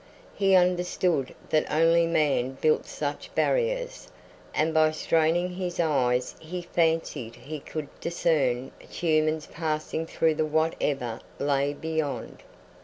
He understood that only man built such barriers and by straining his eyes he fancied he could discern humans passing through to whatever lay beyond.